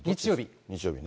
日曜日ね。